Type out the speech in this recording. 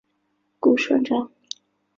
顾顺章。